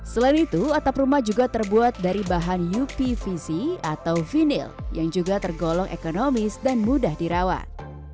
selain itu atap rumah juga terbuat dari bahan upvc atau vinil yang juga tergolong ekonomis dan mudah dirawat